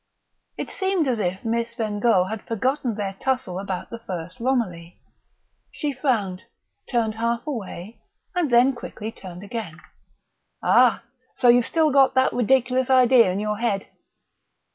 It seemed as if Miss Bengough had forgotten their tussle about the first Romilly. She frowned, turned half away, and then quickly turned again. "Ah!... So you've still got that ridiculous idea in your head?"